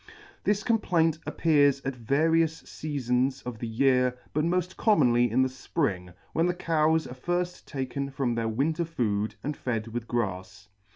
This complaint appears at various feafons of the year, but molt commonly in the fpring, when the Cows are flrfh taken from their winter food and fed with grafs.